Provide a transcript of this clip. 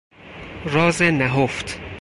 راز نهفت